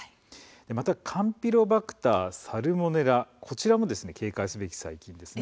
またカンピロバクター、サルモネラ、こちらも警戒すべき細菌です。